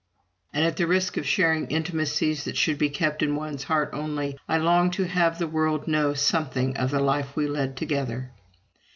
And, at the risk of sharing intimacies that should be kept in one's heart only, I long to have the world know something of the life we led together.